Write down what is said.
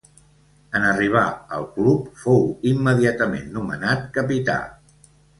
En arribar al club, fou immediatament nomenat capità.